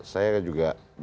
saya juga belum tahu ini